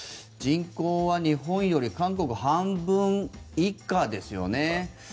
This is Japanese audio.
人口は日本より韓国は半分以下ですよね。